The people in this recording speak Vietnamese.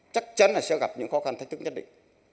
chắc chắn là sẽ gặp những khó khăn thách thức nhất định